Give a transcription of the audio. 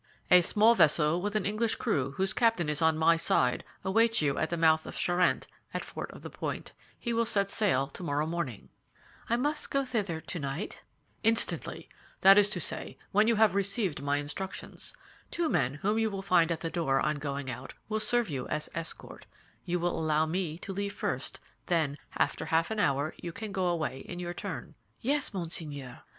"A small vessel with an English crew, whose captain is on my side, awaits you at the mouth of Charente, at Fort La Pointe*. He will set sail tomorrow morning." * Fort La Pointe, or Fort Vasou, was not built until 1672, nearly 50 years later. "I must go thither tonight?" "Instantly! That is to say, when you have received my instructions. Two men, whom you will find at the door on going out, will serve you as escort. You will allow me to leave first; then, after half an hour, you can go away in your turn." "Yes, monseigneur.